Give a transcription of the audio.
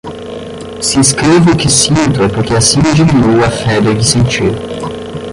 Se escrevo o que sinto é porque assim diminuo a febre de sentir.